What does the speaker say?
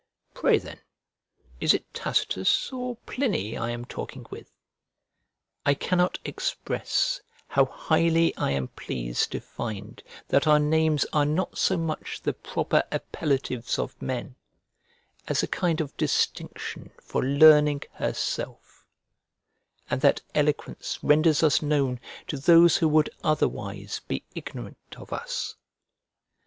"Pray, then, is it Tacitus or Pliny I am talking with?" I cannot express how highly I am pleased to find that our names are not so much the proper appellatives of men as a kind of distinction for learning herself; and that eloquence renders us known to those who would otherwise be ignorant of us.